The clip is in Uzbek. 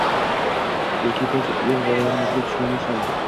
Yoki biz o‘z bolalarimizga dushmanmizmi?